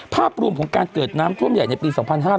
ภาพรวมของการเกิดน้ำท่วมใหญ่ในปี๒๕๕๙